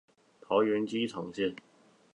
桃園機場線